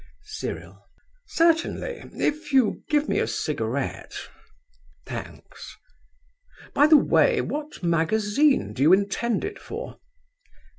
CYRIL. Certainly, if you give me a cigarette. Thanks. By the way, what magazine do you intend it for?